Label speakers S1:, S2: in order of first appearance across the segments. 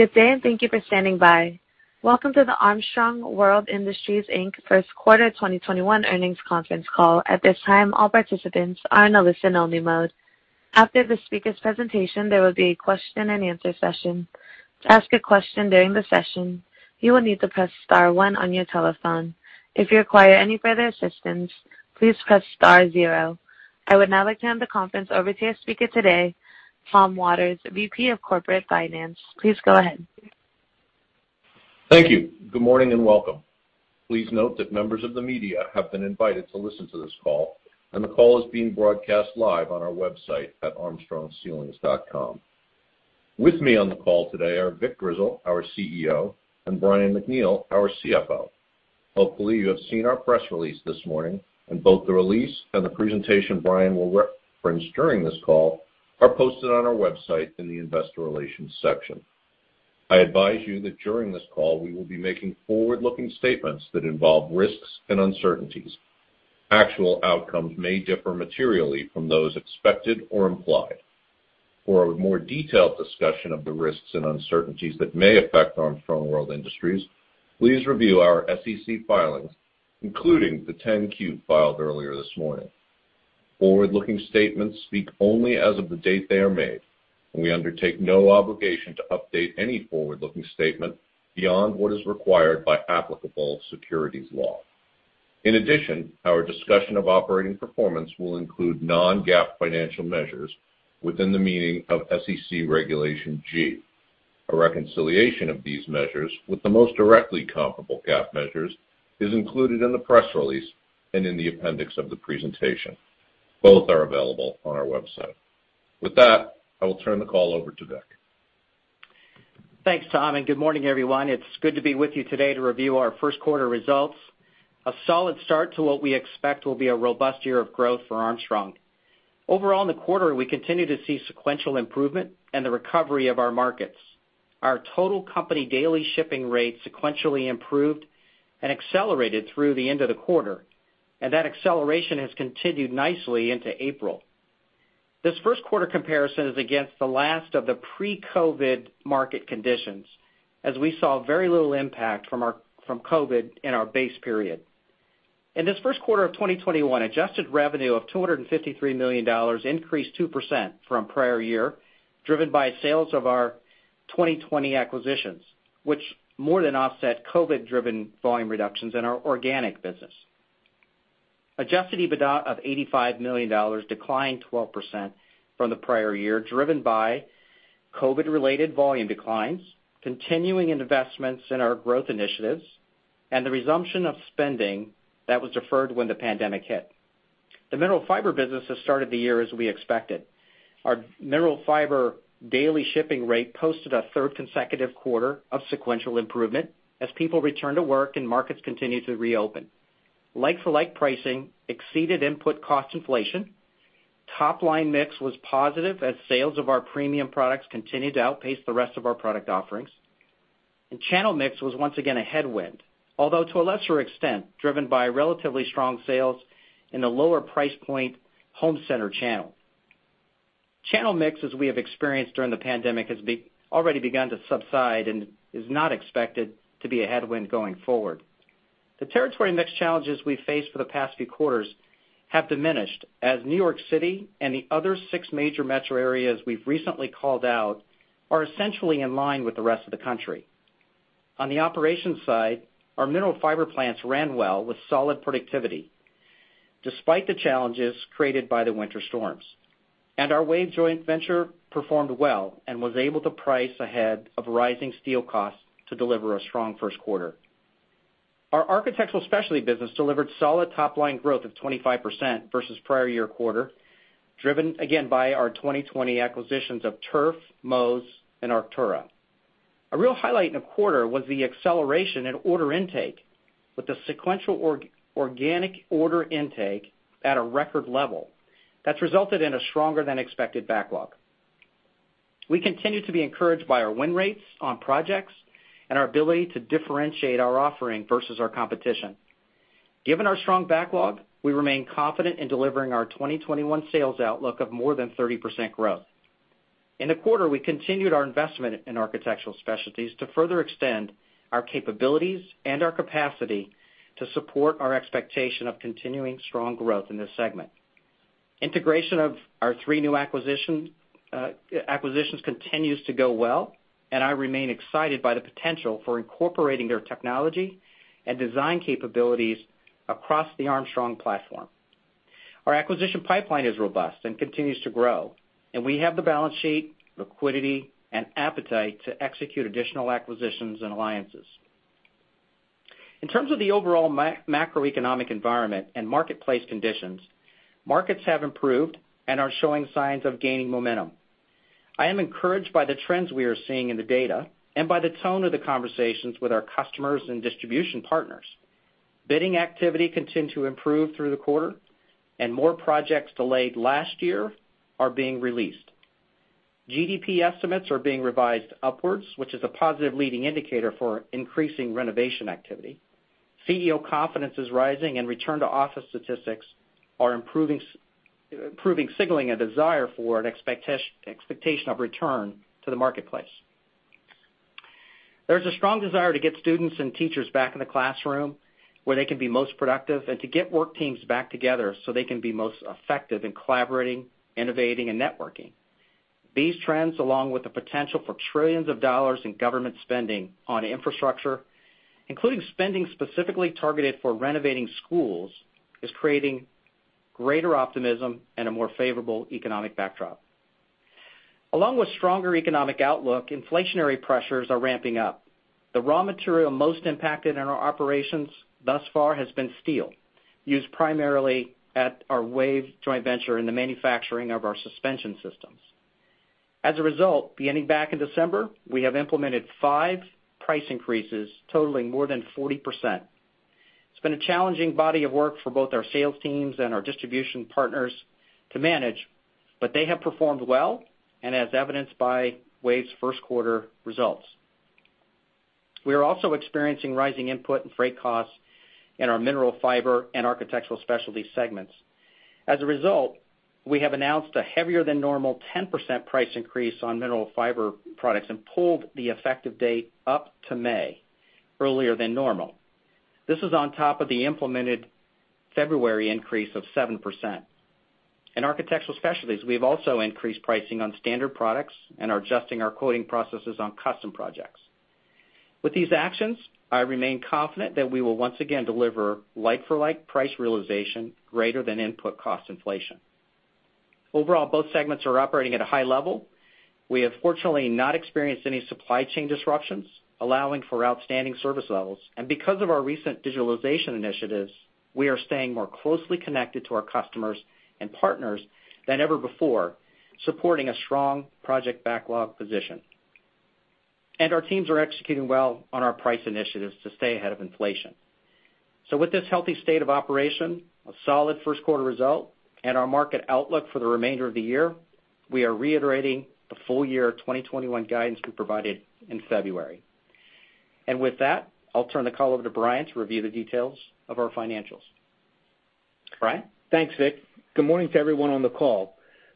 S1: Good day, and thank you for standing by. Welcome to the Armstrong World Industries, Inc. First Quarter 2021 Earnings Conference Call. At this time, all participants are in a listen-only mode. After the speaker's presentation, there will be a question and answer session. To ask a question during the session, you will need to press star one on your telephone. If you require any further assistance please press star zero. I would now like to hand the conference over to your speaker today, Tom Waters, VP of Corporate Finance. Please go ahead.
S2: Thank you. Good morning and welcome. Please note that members of the media have been invited to listen to this call, and the call is being broadcast live on our website at armstrongceilings.com. With me on the call today are Vic Grizzle, our CEO, and Brian MacNeal, our CFO. Hopefully, you have seen our press release this morning, and both the release and the presentation Brian will reference during this call are posted on our website in the investor relations section. I advise you that during this call, we will be making forward-looking statements that involve risks and uncertainties. Actual outcomes may differ materially from those expected or implied. For a more detailed discussion of the risks and uncertainties that may affect Armstrong World Industries, please review our SEC filings, including the 10-Q filed earlier this morning. Forward-looking statements speak only as of the date they are made, and we undertake no obligation to update any forward-looking statement beyond what is required by applicable securities law. In addition, our discussion of operating performance will include non-GAAP financial measures within the meaning of SEC Regulation G. A reconciliation of these measures with the most directly comparable GAAP measures is included in the press release and in the appendix of the presentation. Both are available on our website. With that, I will turn the call over to Vic.
S3: Thanks, Tom, and good morning, everyone. It's good to be with you today to review our first quarter results, a solid start to what we expect will be a robust year of growth for Armstrong. Overall, in the quarter, we continue to see sequential improvement and the recovery of our markets. Our total company daily shipping rate sequentially improved and accelerated through the end of the quarter. That acceleration has continued nicely into April. This first quarter comparison is against the last of the pre-COVID market conditions, as we saw very little impact from COVID in our base period. In this first quarter of 2021, adjusted revenue of $253 million increased 2% from prior year, driven by sales of our 2020 acquisitions, which more than offset COVID-driven volume reductions in our organic business. Adjusted EBITDA of $85 million declined 12% from the prior year, driven by COVID-related volume declines, continuing investments in our growth initiatives, and the resumption of spending that was deferred when the pandemic hit. The Mineral Fiber business has started the year as we expected. Our Mineral Fiber daily shipping rate posted a third consecutive quarter of sequential improvement as people return to work and markets continue to reopen. Like-for-like pricing exceeded input cost inflation. Topline mix was positive as sales of our premium products continued to outpace the rest of our product offerings. Channel mix was once again a headwind, although to a lesser extent, driven by relatively strong sales in the lower price point home center channel. Channel mix, as we have experienced during the pandemic, has already begun to subside and is not expected to be a headwind going forward. The territory mix challenges we faced for the past six quarters have diminished as New York City and the other six major metro areas we've recently called out are essentially in line with the rest of the country. On the operations side, our Mineral Fiber plants ran well with solid productivity despite the challenges created by the winter storms. Our wave joint venture performed well and was able to price ahead of rising steel costs to deliver a strong first quarter. Our Architectural Specialties business delivered solid top-line growth of 25% versus prior year quarter, driven again by our 2020 acquisitions of Turf, Moz, and Arktura. A real highlight in the quarter was the acceleration in order intake with the sequential organic order intake at a record level that resulted in a stronger than expected backlog. We continue to be encouraged by our win rates on projects and our ability to differentiate our offering versus our competition. Given our strong backlog, we remain confident in delivering our 2021 sales outlook of more than 30% growth. In the quarter, we continued our investment in Architectural Specialties to further extend our capabilities and our capacity to support our expectation of continuing strong growth in this segment. Integration of our three new acquisitions continues to go well, and I remain excited by the potential for incorporating their technology and design capabilities across the Armstrong platform. Our acquisition pipeline is robust and continues to grow, and we have the balance sheet, liquidity, and appetite to execute additional acquisitions and alliances. In terms of the overall macroeconomic environment and marketplace conditions, markets have improved and are showing signs of gaining momentum. I am encouraged by the trends we are seeing in the data and by the tone of the conversations with our customers and distribution partners. Bidding activity continued to improve through the quarter. More projects delayed last year are being released. GDP estimates are being revised upwards, which is a positive leading indicator for increasing renovation activity. CEO confidence is rising and return to office statistics are improving, signaling a desire for, and expectation of return to the marketplace. There's a strong desire to get students and teachers back in the classroom where they can be most productive and to get work teams back together so they can be most effective in collaborating, innovating, and networking. These trends, along with the potential for trillions of dollars in government spending on infrastructure, including spending specifically targeted for renovating schools, is creating greater optimism and a more favorable economic backdrop. Along with stronger economic outlook, inflationary pressures are ramping up. The raw material most impacted in our operations thus far has been steel, used primarily at our WAVE joint venture in the manufacturing of our suspension systems. As a result, beginning back in December, we have implemented five price increases totaling more than 40%. It's been a challenging body of work for both our sales teams and our distribution partners to manage, but they have performed well, and as evidenced by WAVE's first quarter results. We are also experiencing rising input and freight costs in our Mineral Fiber and Architectural Specialties segments. As a result, we have announced a heavier than normal 10% price increase on Mineral Fiber products and pulled the effective date up to May, earlier than normal. This is on top of the implemented February increase of 7%. In Architectural Specialties, we have also increased pricing on standard products and are adjusting our quoting processes on custom projects. With these actions, I remain confident that we will once again deliver like-for-like price realization greater than input cost inflation. Overall, both segments are operating at a high level. We have fortunately not experienced any supply chain disruptions, allowing for outstanding service levels. Because of our recent digitalization initiatives, we are staying more closely connected to our customers and partners than ever before, supporting a strong project backlog position. Our teams are executing well on our price initiatives to stay ahead of inflation. With this healthy state of operation, a solid first quarter result, and our market outlook for the remainder of the year, we are reiterating the full year 2021 guidance we provided in February. With that, I'll turn the call over to Brian to review the details of our financials. Brian?
S4: Thanks, Vic. Good morning to everyone on the call.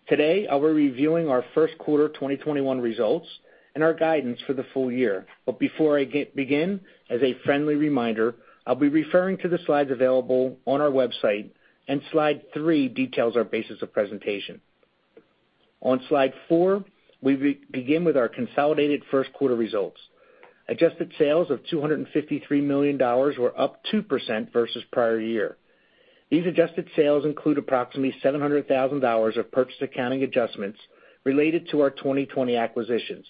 S4: Today, I'll be reviewing our first quarter 2021 results and our guidance for the full year. Before I begin, as a friendly reminder, I'll be referring to the slides available on our website, and slide three details our basis of presentation. On slide four, we begin with our consolidated first quarter results. Adjusted sales of $253 million were up 2% versus prior year. These adjusted sales include approximately $700,000 of purchase accounting adjustments related to our 2020 acquisitions.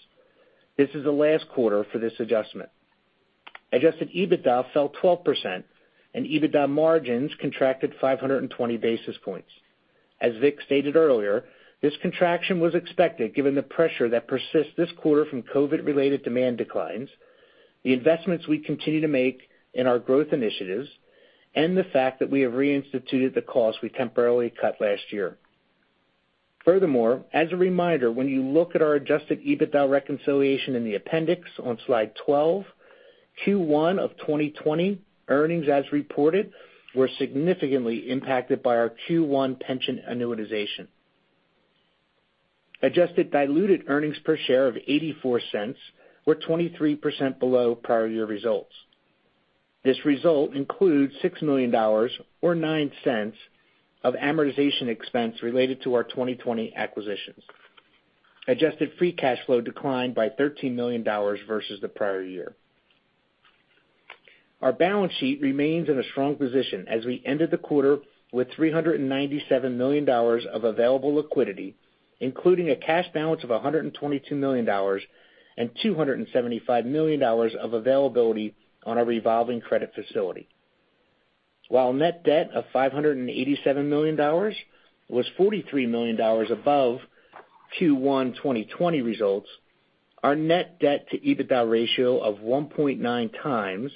S4: This is the last quarter for this adjustment. Adjusted EBITDA fell 12%, and EBITDA margins contracted 520 basis points. As Vic stated earlier, this contraction was expected given the pressure that persists this quarter from COVID-related demand declines, the investments we continue to make in our growth initiatives, and the fact that we have reinstituted the costs we temporarily cut last year. Furthermore, as a reminder, when you look at our adjusted EBITDA reconciliation in the appendix on slide 12, Q1 2020 earnings as reported were significantly impacted by our Q1 pension annuitization. Adjusted diluted earnings per share of $0.84 were 23% below prior year results. This result includes $6 million, or $0.09, of amortization expense related to our 2020 acquisitions. Adjusted free cash flow declined by $13 million versus the prior year. Our balance sheet remains in a strong position as we ended the quarter with $397 million of available liquidity, including a cash balance of $122 million and $275 million of availability on our revolving credit facility. While net debt of $587 million was $43 million above Q1 2020 results, our net debt to EBITDA ratio of 1.9 times,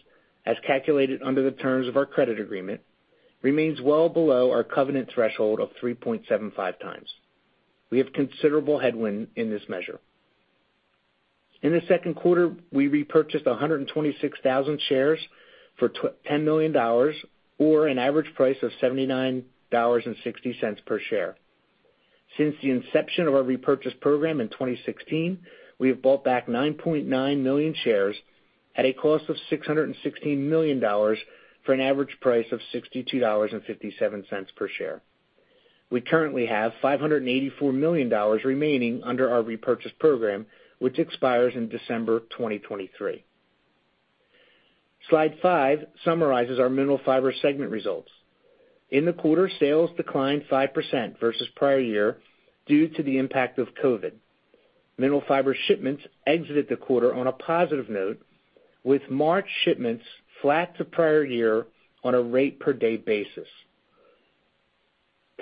S4: as calculated under the terms of our credit agreement, remains well below our covenant threshold of 3.75 times. We have considerable headwind in this measure. In the second quarter, we repurchased 126,000 shares for $10 million, or an average price of $79.60 per share. Since the inception of our repurchase program in 2016, we have bought back 9.9 million shares at a cost of $616 million for an average price of $62.57 per share. We currently have $584 million remaining under our repurchase program, which expires in December 2023. Slide five summarizes our Mineral Fiber segment results. In the quarter, sales declined 5% versus prior year due to the impact of COVID. Mineral Fiber shipments exited the quarter on a positive note, with March shipments flat to prior year on a rate per day basis.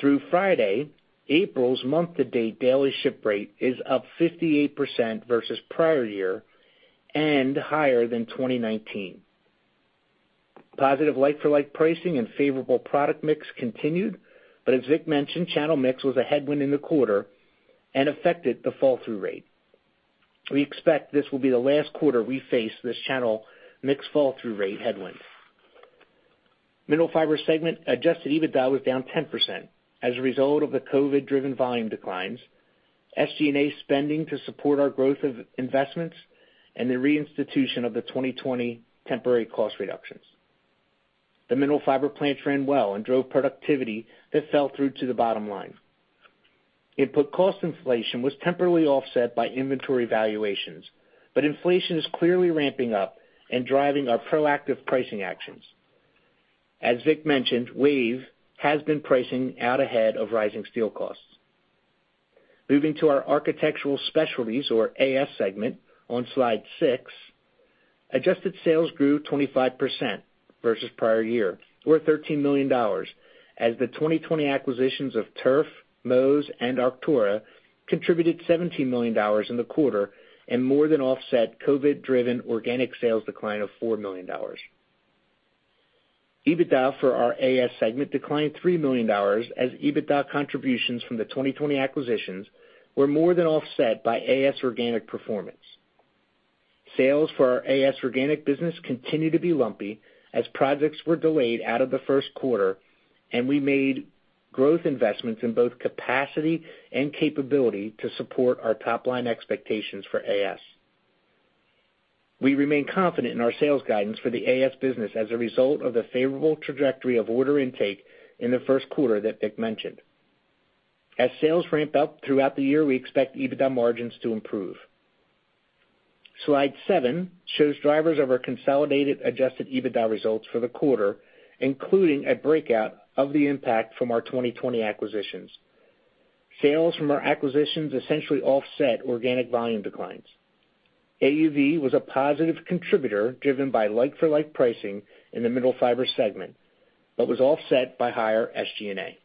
S4: Through Friday, April's month-to-date daily ship rate is up 58% versus prior year and higher than 2019. Positive like-for-like pricing and favorable product mix continued, but as Vic mentioned, channel mix was a headwind in the quarter and affected the fall-through rate. We expect this will be the last quarter we face this channel mix fall-through rate headwind. Mineral Fiber segment adjusted EBITDA was down 10% as a result of the COVID-driven volume declines, SG&A spending to support our growth of investments, and the reinstitution of the 2020 temporary cost reductions. The Mineral Fiber plants ran well and drove productivity that fell through to the bottom line. Input cost inflation was temporarily offset by inventory valuations, but inflation is clearly ramping up and driving our proactive pricing actions. As Vic mentioned, WAVE has been pricing out ahead of rising steel costs. Moving to our Architectural Specialties, or AS segment, on slide six. Adjusted sales grew 25% versus prior year or $13 million, as the 2020 acquisitions of Turf, Moz, and Arktura contributed $17 million in the quarter and more than offset COVID-driven organic sales decline of $4 million. EBITDA for our AS segment declined $3 million as EBITDA contributions from the 2020 acquisitions were more than offset by AS organic performance. Sales for our AS organic business continue to be lumpy as projects were delayed out of the first quarter, and we made growth investments in both capacity and capability to support our top-line expectations for AS. We remain confident in our sales guidance for the AS business as a result of the favorable trajectory of order intake in the first quarter that Vic mentioned. As sales ramp up throughout the year, we expect EBITDA margins to improve. Slide seven shows drivers of our consolidated adjusted EBITDA results for the quarter, including a breakout of the impact from our 2020 acquisitions. Sales from our acquisitions essentially offset organic volume declines. AUV was a positive contributor driven by like-for-like pricing in the Mineral Fiber segment but was offset by higher SG&A.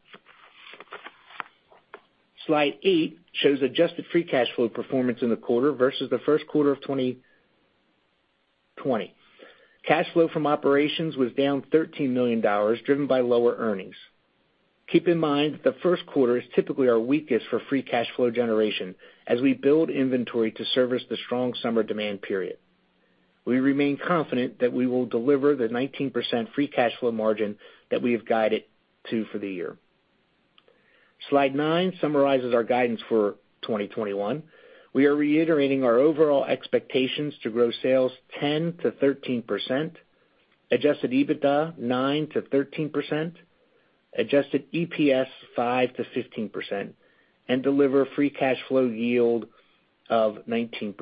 S4: Slide eight shows adjusted free cash flow performance in the quarter versus the first quarter of 2020. Cash flow from operations was down $13 million, driven by lower earnings. Keep in mind that the first quarter is typically our weakest for free cash flow generation as we build inventory to service the strong summer demand period. We remain confident that we will deliver the 19% free cash flow margin that we have guided to for the year. Slide nine summarizes our guidance for 2021. We are reiterating our overall expectations to grow sales 10%-13%, adjusted EBITDA 9%-13%, adjusted EPS 5%-15%, and deliver free cash flow yield of 19%.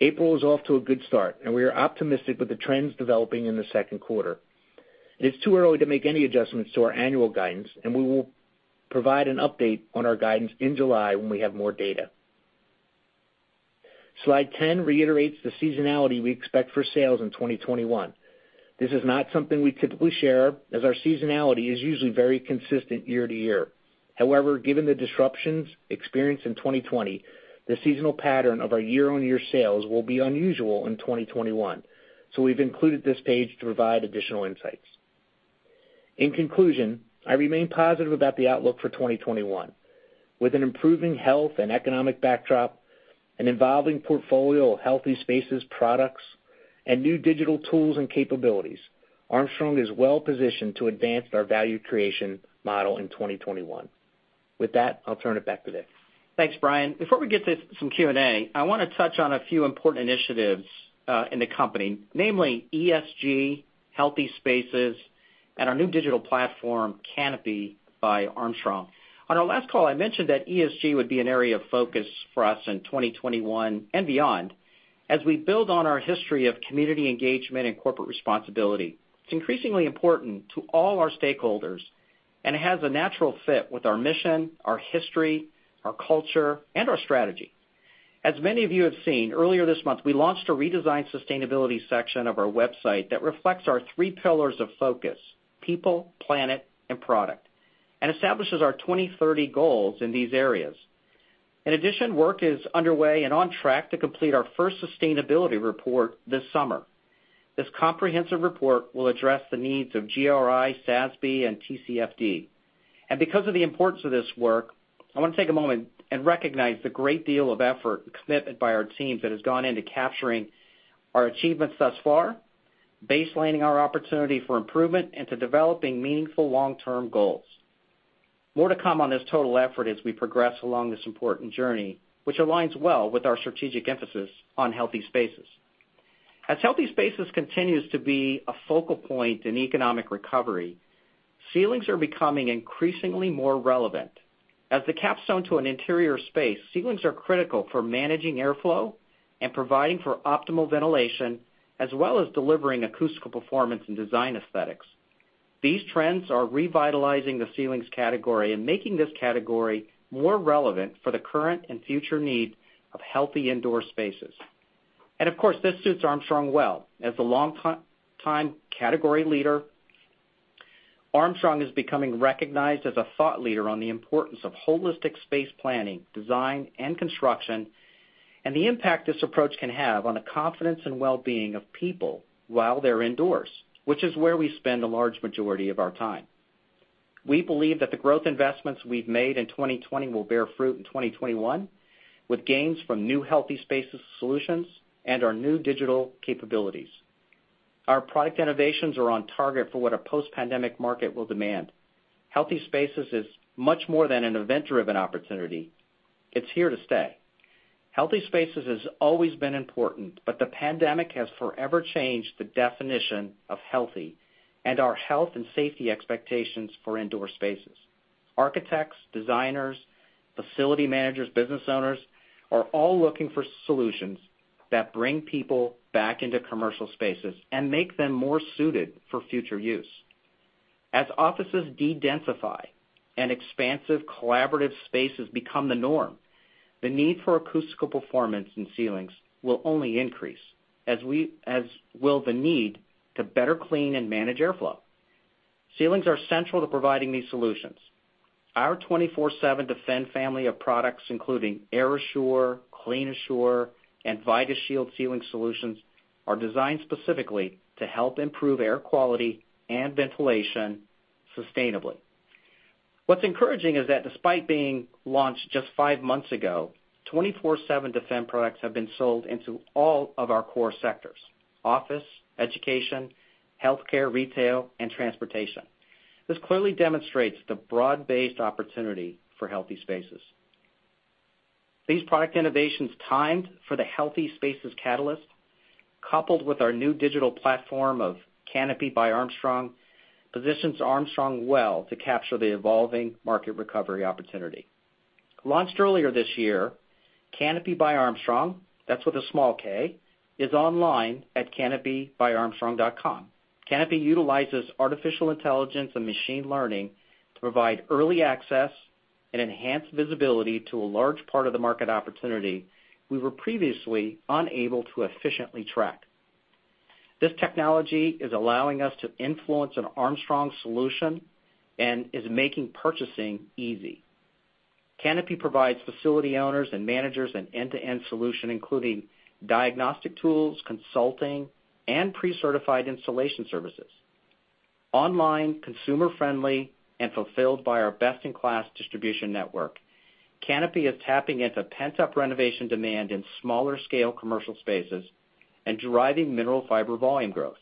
S4: April is off to a good start, we are optimistic with the trends developing in the second quarter. It's too early to make any adjustments to our annual guidance, we will provide an update on our guidance in July when we have more data. Slide 10 reiterates the seasonality we expect for sales in 2021. This is not something we typically share, as our seasonality is usually very consistent year to year. However, given the disruptions experienced in 2020, the seasonal pattern of our year-on-year sales will be unusual in 2021, so we've included this page to provide additional insights. In conclusion, I remain positive about the outlook for 2021. With an improving health and economic backdrop, an evolving portfolio of Healthy Spaces products, and new digital tools and capabilities, Armstrong is well-positioned to advance our value creation model in 2021. With that, I'll turn it back to Vic.
S3: Thanks, Brian. Before we get to some Q&A, I want to touch on a few important initiatives in the company, namely ESG, Healthy Spaces, and our new digital platform, Kanopi by Armstrong. On our last call, I mentioned that ESG would be an area of focus for us in 2021 and beyond. We build on our history of community engagement and corporate responsibility, it's increasingly important to all our stakeholders and has a natural fit with our mission, our history, our culture, and our strategy. Many of you have seen, earlier this month, we launched a redesigned sustainability section of our website that reflects our three pillars of focus: people, planet, and product, and establishes our 2030 goals in these areas. Work is underway and on track to complete our first sustainability report this summer. This comprehensive report will address the needs of GRI, SASB, and TCFD. Because of the importance of this work, I want to take a moment and recognize the great deal of effort and commitment by our teams that has gone into capturing our achievements thus far, baselining our opportunity for improvement, and to developing meaningful long-term goals. More to come on this total effort as we progress along this important journey, which aligns well with our strategic emphasis on Healthy Spaces. Healthy Spaces continues to be a focal point in economic recovery, ceilings are becoming increasingly more relevant. The capstone to an interior space, ceilings are critical for managing airflow and providing for optimal ventilation, as well as delivering acoustic performance and design aesthetics. These trends are revitalizing the ceilings category and making this category more relevant for the current and future need of healthy indoor spaces. Of course, this suits Armstrong well. As a long-time category leader, Armstrong is becoming recognized as a thought leader on the importance of holistic space planning, design, and construction, and the impact this approach can have on the confidence and wellbeing of people while they're indoors, which is where we spend a large majority of our time. We believe that the growth investments we've made in 2020 will bear fruit in 2021, with gains from new Healthy Spaces solutions and our new digital capabilities. Our product innovations are on target for what a post-pandemic market will demand. Healthy Spaces is much more than an event-driven opportunity. It's here to stay. Healthy Spaces has always been important, the pandemic has forever changed the definition of healthy and our health and safety expectations for indoor spaces. Architects, designers, facility managers, business owners are all looking for solutions that bring people back into commercial spaces and make them more suited for future use. As offices de-densify and expansive collaborative spaces become the norm, the need for acoustical performance in ceilings will only increase, as will the need to better clean and manage airflow. Ceilings are central to providing these solutions. Our 24/7 DEFEND family of products, including AirAssure, CleanAssure, and VidaShield ceiling solutions, are designed specifically to help improve air quality and ventilation sustainably. What's encouraging is that despite being launched just five months ago, 24/7 DEFEND products have been sold into all of our core sectors: office, education, healthcare, retail, and transportation. This clearly demonstrates the broad-based opportunity for Healthy Spaces. These product innovations, timed for the Healthy Spaces catalyst, coupled with our new digital platform of Kanopi by Armstrong, positions Armstrong well to capture the evolving market recovery opportunity. Launched earlier this year, Kanopi by Armstrong, that's with a small K, is online at kanopibyarmstrong.com. Kanopi utilizes artificial intelligence and machine learning to provide early access and enhanced visibility to a large part of the market opportunity we were previously unable to efficiently track. This technology is allowing us to influence an Armstrong solution and is making purchasing easy. Kanopi provides facility owners and managers an end-to-end solution, including diagnostic tools, consulting, and pre-certified installation services. Online, consumer-friendly, and fulfilled by our best-in-class distribution network, Kanopi is tapping into pent-up renovation demand in smaller scale commercial spaces and driving Mineral Fiber volume growth.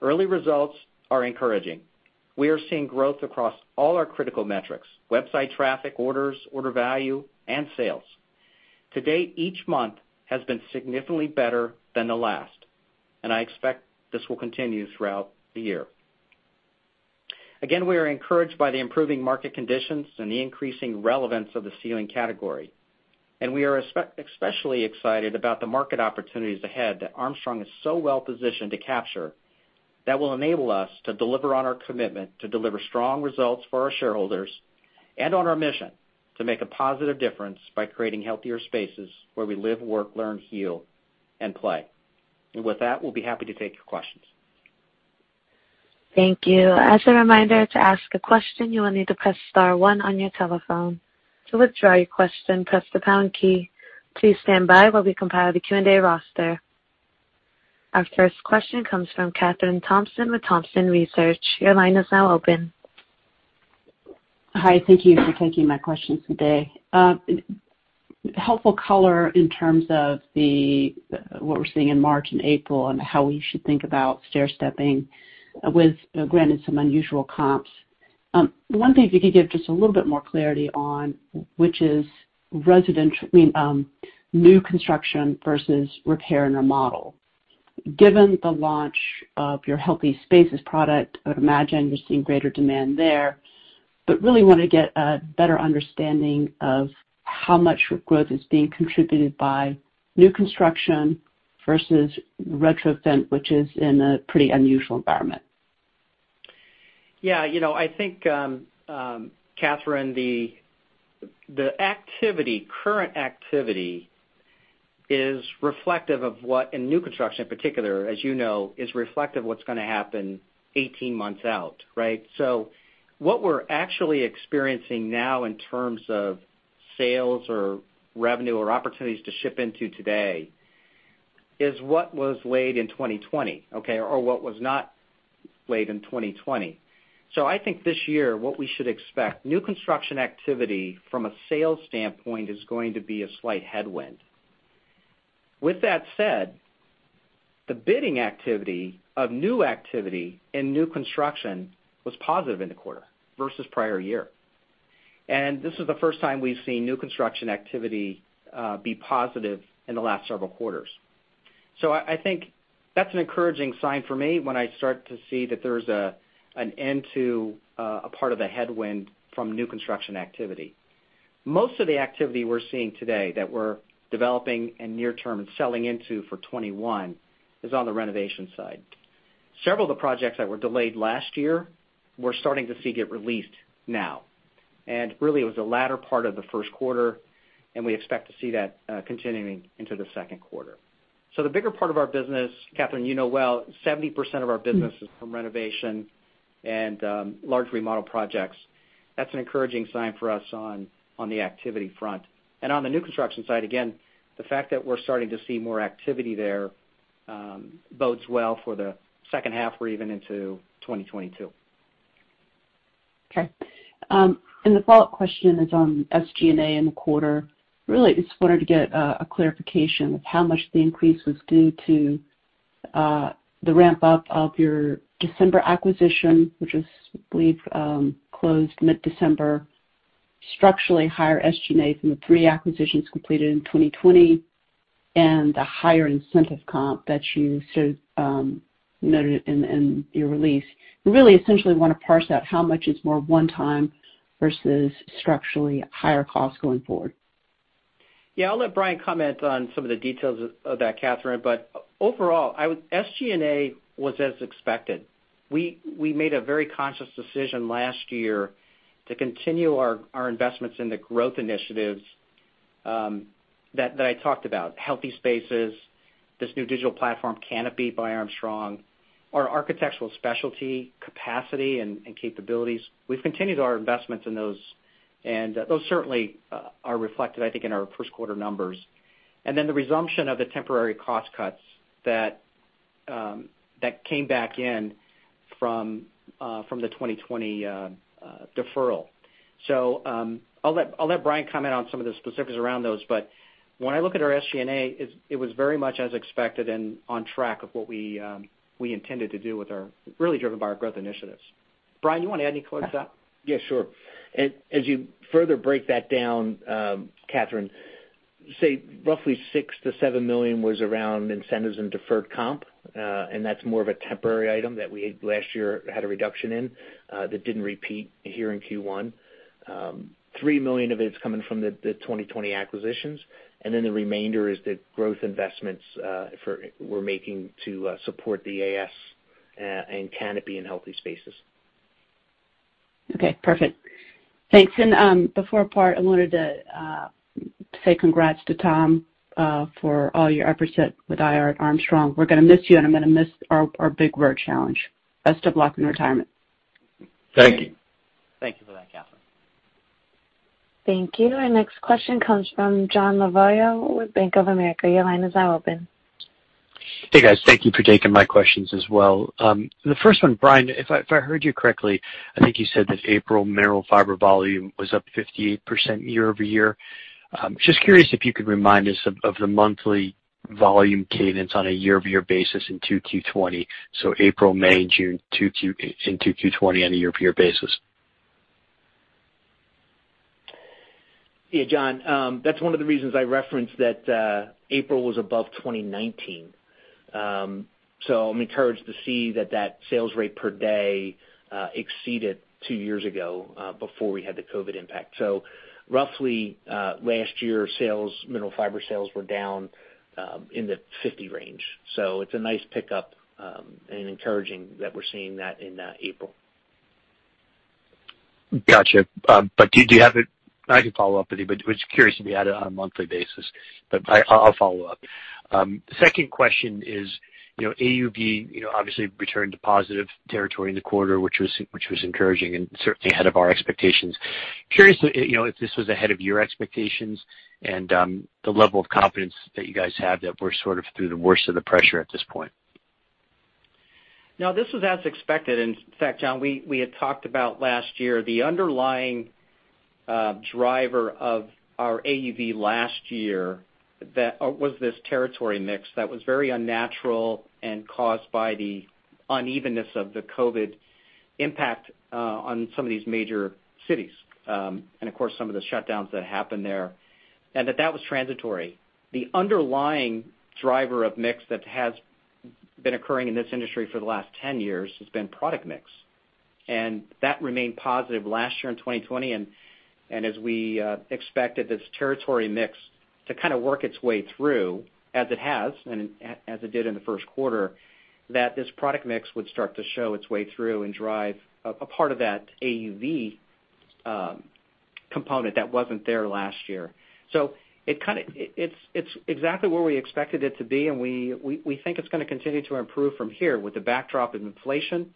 S3: Early results are encouraging. We are seeing growth across all our critical metrics: website traffic, orders, order value, and sales. To date, each month has been significantly better than the last. I expect this will continue throughout the year. Again, we are encouraged by the improving market conditions and the increasing relevance of the ceiling category. We are especially excited about the market opportunities ahead that Armstrong is so well positioned to capture, that will enable us to deliver on our commitment to deliver strong results for our shareholders and on our mission to make a positive difference by creating Healthy Spaces where we live, work, learn, heal, and play. With that, we'll be happy to take your questions.
S1: Thank you. As a reminder, to ask a question, you will need to press star one on your telephone. To withdraw your question, press the pound key. Please stand by while we compile the Q&A roster. Our first question comes from Kathryn Thompson with Thompson Research. Your line is now open.
S5: Hi. Thank you for taking my questions today. Helpful color in terms of what we're seeing in March and April and how we should think about stairstepping with, granted, some unusual comps. One thing, if you could give just a little bit more clarity on, which is new construction versus repair and remodel. Given the launch of your Healthy Spaces product, I would imagine you're seeing greater demand there, but really want to get a better understanding of how much growth is being contributed by new construction versus retrofit, which is in a pretty unusual environment.
S3: I think, Kathryn, the current activity, in new construction in particular, as you know, is reflective of what's going to happen 18 months out. Right? What we're actually experiencing now in terms of sales or revenue or opportunities to ship into today is what was laid in 2020, okay? Or what was not laid in 2020. I think this year, what we should expect, new construction activity from a sales standpoint is going to be a slight headwind. With that said, the bidding activity of new activity in new construction was positive in the quarter versus prior year. This is the first time we've seen new construction activity be positive in the last several quarters. I think that's an encouraging sign for me when I start to see that there's an end to a part of the headwind from new construction activity. Most of the activity we're seeing today that we're developing and near term and selling into for 2021 is on the renovation side. Several of the projects that were delayed last year, we're starting to see get released now, and really it was the latter part of the first quarter, and we expect to see that continuing into the second quarter. The bigger part of our business, Kathryn, you know well, 70% of our business is from renovation and large remodel projects. That's an encouraging sign for us on the activity front. On the new construction side, again, the fact that we're starting to see more activity there bodes well for the second half or even into 2022.
S5: Okay. The follow-up question is on SG&A in the quarter. Really just wanted to get a clarification of how much the increase was due to the ramp-up of your December acquisition, which I believe closed mid-December, structurally higher SG&A from the three acquisitions completed in 2020, and the higher incentive comp that you noted in your release. Really, essentially, want to parse out how much is more one-time versus structurally higher costs going forward.
S3: I'll let Brian comment on some of the details of that, Kathryn. Overall, SG&A was as expected. We made a very conscious decision last year to continue our investments in the growth initiatives that I talked about, Healthy Spaces, this new digital platform Kanopi by Armstrong, our Architectural Specialties capacity and capabilities. We've continued our investments in those certainly are reflected, I think, in our first quarter numbers. The resumption of the temporary cost cuts that came back in from the 2020 deferral. I'll let Brian comment on some of the specifics around those, but when I look at our SG&A, it was very much as expected and on track of what we intended to do really driven by our growth initiatives. Brian, you want to add any color to that?
S4: Yeah, sure. As you further break that down, Kathryn, say roughly $6 million-$7 million was around incentives and deferred comp, and that's more of a temporary item that we, last year, had a reduction in, that didn't repeat here in Q1. $3 million of it is coming from the 2020 acquisitions. Then the remainder is the growth investments we're making to support the AS and Kanopi and Healthy Spaces.
S5: Okay, perfect. Thanks. Before I part, I wanted to say congrats to Tom for all your efforts with IR at Armstrong. We're going to miss you, and I'm going to miss our big word challenge. Best of luck in retirement.
S2: Thank you.
S3: Thank you for that, Kathryn.
S1: Thank you. Our next question comes from John Lovallo with Bank of America. Your line is now open.
S6: Hey, guys. Thank you for taking my questions as well. The first one, Brian, if I heard you correctly, I think you said that April Mineral Fiber volume was up 58% year-over-year. Just curious if you could remind us of the monthly volume cadence on a year-over-year basis into Q2 2020, so April, May, June into Q2 2020 on a year-over-year basis.
S4: Yeah, John. That's one of the reasons I referenced that April was above 2019. I'm encouraged to see that that sales rate per day exceeded two years ago, before we had the COVID impact. Roughly, last year, Mineral Fiber sales were down in the 50 range. It's a nice pickup, and encouraging that we're seeing that in April.
S6: Got you. Do you have it? I can follow up with you. Just curious if you had it on a monthly basis. I'll follow up. Second question is, AUV obviously returned to positive territory in the quarter, which was encouraging and certainly ahead of our expectations. Curious if this was ahead of your expectations and the level of confidence that you guys have that we're sort of through the worst of the pressure at this point.
S3: No, this was as expected. In fact, John, we had talked about last year the underlying driver of our AUV last year was this territory mix that was very unnatural and caused by the unevenness of the COVID impact on some of these major cities, and of course, some of the shutdowns that happened there, and that that was transitory. The underlying driver of mix that has been occurring in this industry for the last 10 years has been product mix, and that remained positive last year in 2020. As we expected this territory mix to kind of work its way through, as it has, and as it did in the first quarter, that this product mix would start to show its way through and drive a part of that AUV component that wasn't there last year. It's exactly where we expected it to be, and we think it's going to continue to improve from here with the backdrop of inflation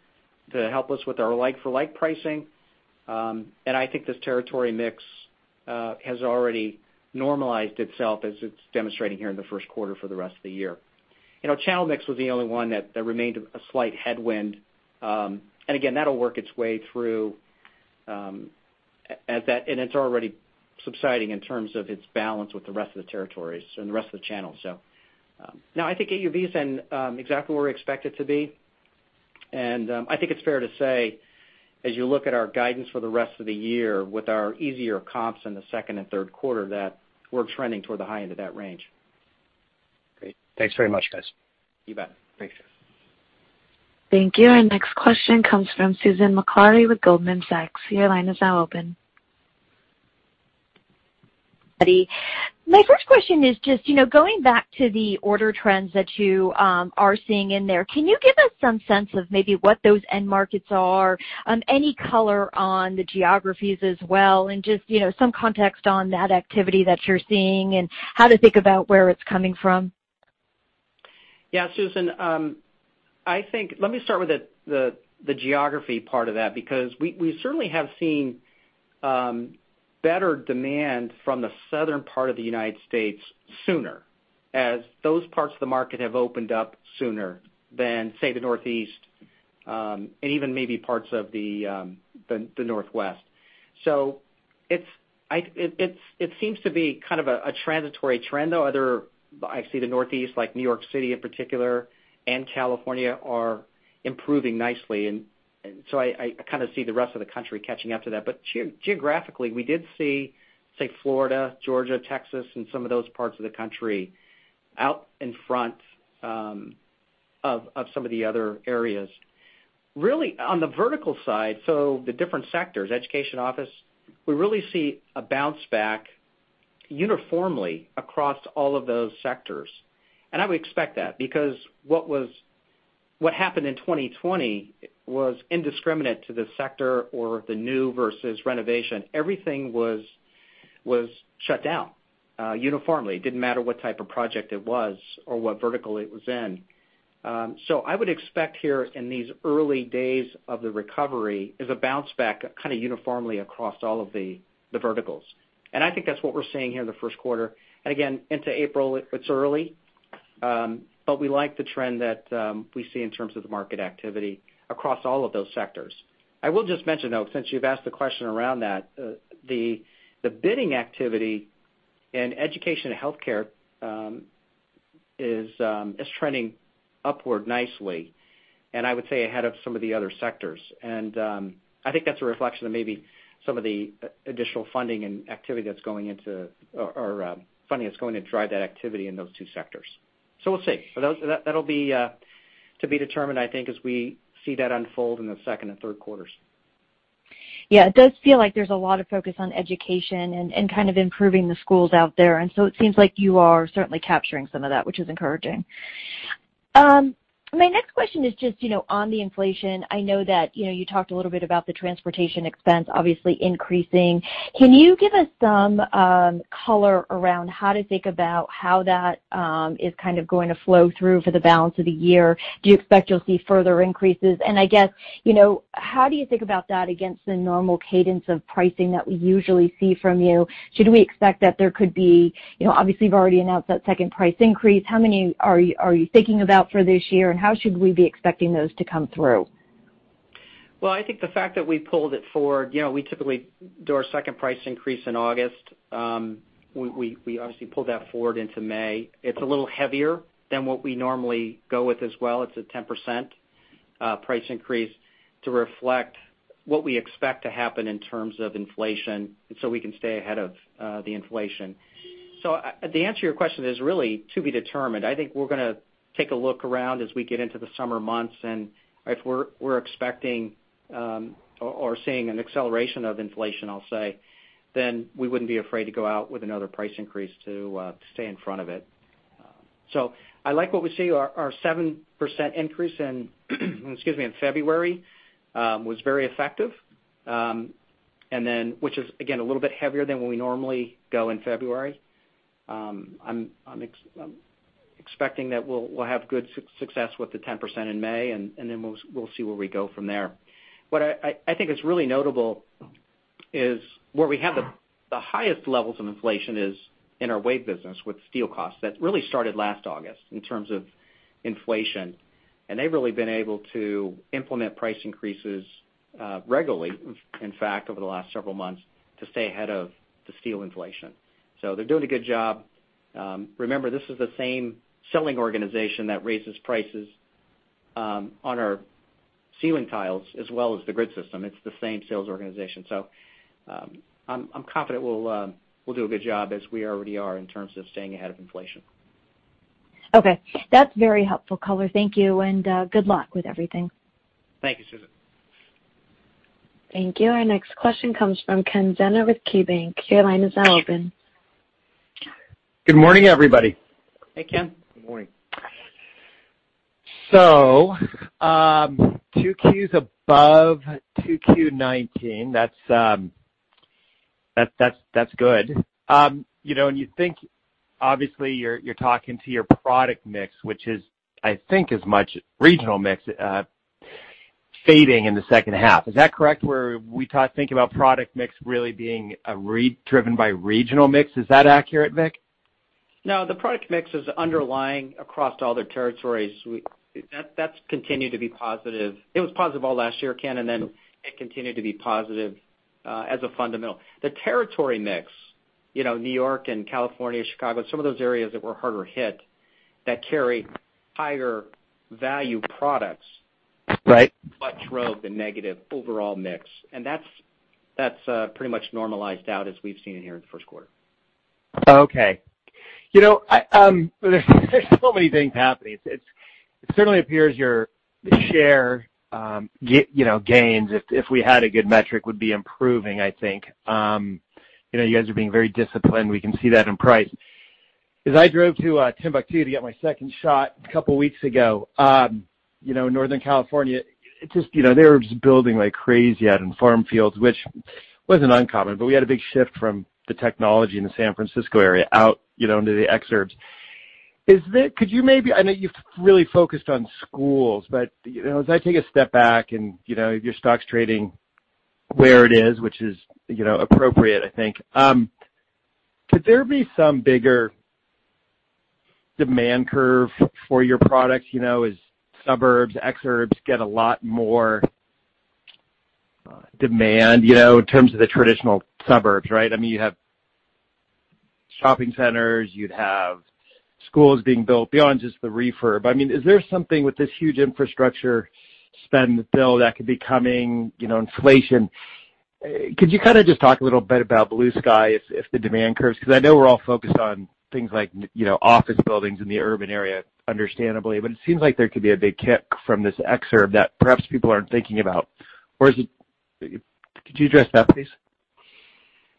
S3: to help us with our like-for-like pricing. I think this territory mix has already normalized itself as it's demonstrating here in the first quarter for the rest of the year. Channel mix was the only one that remained a slight headwind. Again, that'll work its way through, and it's already subsiding in terms of its balance with the rest of the territories and the rest of the channels. No, I think AUV is in exactly where we expect it to be. I think it's fair to say, as you look at our guidance for the rest of the year with our easier comps in the second and third quarter, that we're trending toward the high end of that range.
S6: Great. Thanks very much, guys.
S3: You bet.
S4: Thanks, John.
S1: Thank you. Our next question comes from Susan Maklari with Goldman Sachs. Your line is now open.
S7: My first question is just going back to the order trends that you are seeing in there. Can you give us some sense of maybe what those end markets are? Just some context on that activity that you're seeing and how to think about where it's coming from?
S3: Susan, let me start with the geography part of that, because we certainly have seen better demand from the southern part of the U.S. sooner, as those parts of the market have opened up sooner than, say, the Northeast, and even maybe parts of the Northwest. So it seems to be kind of a transitory trend, though I see the Northeast, like N.Y.C. in particular, and California are improving nicely. I kind of see the rest of the country catching up to that. But geographically, we did see, say, Florida, Georgia, Texas, and some of those parts of the country out in front of some of the other areas. Really, on the vertical side, so the different sectors, education, office, we really see a bounce back uniformly across all of those sectors. I would expect that, because what happened in 2020 was indiscriminate to the sector or the new versus renovation. Everything was shut down uniformly. It didn't matter what type of project it was or what vertical it was in. I would expect here in these early days of the recovery is a bounce back kind of uniformly across all of the verticals. I think that's what we're seeing here in the first quarter. Again, into April, it's early. We like the trend that we see in terms of the market activity across all of those sectors. I will just mention, though, since you've asked the question around that, the bidding activity in education and healthcare is trending upward nicely, and I would say ahead of some of the other sectors. I think that's a reflection of maybe some of the additional funding that's going to drive that activity in those two sectors. We'll see. That'll be to be determined, I think, as we see that unfold in the second and third quarters.
S7: Yeah, it does feel like there's a lot of focus on education and kind of improving the schools out there. It seems like you are certainly capturing some of that, which is encouraging. My next question is just on the inflation. I know that you talked a little bit about the transportation expense obviously increasing. Can you give us some color around how to think about how that is kind of going to flow through for the balance of the year? Do you expect you'll see further increases? I guess, how do you think about that against the normal cadence of pricing that we usually see from you? Should we expect that, obviously, you've already announced that second price increase. How many are you thinking about for this year, and how should we be expecting those to come through?
S3: Well, I think the fact that we pulled it forward. We typically do our second price increase in August. We obviously pulled that forward into May. It's a little heavier than what we normally go with as well. It's a 10% price increase to reflect what we expect to happen in terms of inflation, so we can stay ahead of the inflation. The answer to your question is really to be determined. I think we're going to take a look around as we get into the summer months, and if we're expecting or seeing an acceleration of inflation, I'll say, then we wouldn't be afraid to go out with another price increase to stay in front of it. I like what we see. Our 7% increase in excuse me, in February, was very effective, which is, again, a little bit heavier than what we normally go in February. I'm expecting that we'll have good success with the 10% in May, and then we'll see where we go from there. What I think is really notable is where we have the highest levels of inflation is in our wave business with steel costs. That really started last August in terms of inflation, and they've really been able to implement price increases regularly, in fact, over the last several months to stay ahead of the steel inflation. They're doing a good job. Remember, this is the same selling organization that raises prices on our ceiling tiles as well as the grid system. It's the same sales organization. I'm confident we'll do a good job as we already are in terms of staying ahead of inflation.
S7: Okay. That's very helpful color. Thank you, and good luck with everything.
S3: Thank you, Susan.
S1: Thank you. Our next question comes from Ken Zener with KeyBanc. Your line is now open.
S8: Good morning, everybody.
S3: Hey, Ken.
S4: Good morning.
S8: 2Q is above 2Q 2019. That's good. You think, obviously, you're talking to your product mix, which is I think is much regional mix, fading in the second half. Is that correct? Where we think about product mix really being driven by regional mix. Is that accurate, Vic?
S3: No, the product mix is underlying across all the territories. That's continued to be positive. It was positive all last year, Ken, and then it continued to be positive as a fundamental. The territory mix, New York and California, Chicago, some of those areas that were harder hit that carry higher value products.
S8: Right.
S3: Much drove the negative overall mix. That's pretty much normalized out as we've seen here in the first quarter.
S8: Okay. There's so many things happening. It certainly appears your share gains, if we had a good metric, would be improving, I think. You guys are being very disciplined. We can see that in price. As I drove to Timbuktu to get my second shot a couple of weeks ago Northern California, they were just building like crazy out in farm fields, which wasn't uncommon. We had a big shift from the technology in the San Francisco area out into the exurbs. I know you've really focused on schools, but as I take a step back and your stock's trading where it is, which is appropriate, I think. Could there be some bigger demand curve for your products as suburbs, exurbs get a lot more demand, in terms of the traditional suburbs, right? You have shopping centers, you'd have schools being built beyond just the refurb. Is there something with this huge infrastructure spend bill that could be coming, inflation? Could you just talk a little bit about blue sky if the demand curves? Because I know we're all focused on things like office buildings in the urban area, understandably, but it seems like there could be a big kick from this exurb that perhaps people aren't thinking about. Could you address that, please?